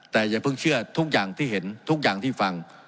แต่อย่าเพิ่งเชื่อทุกอย่างที่เห็นทุกอย่างที่ฟัง